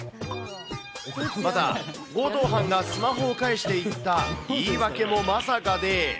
また強盗犯がスマホを返していった言い訳もまさかで。